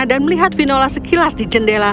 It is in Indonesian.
dan melihat vinola sekilas di jendela